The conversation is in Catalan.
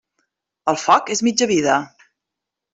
El foc és mitja vida.